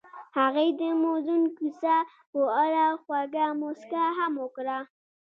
هغې د موزون کوڅه په اړه خوږه موسکا هم وکړه.